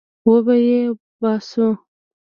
وبې يې باسو.